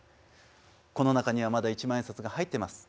この中にはまだ一万円札が入ってます。